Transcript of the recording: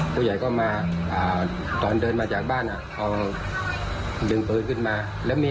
ผู้ใหญ่ก็มาตอนเดินมาจากบ้านเขาดึงปืนขึ้นมาแล้วมี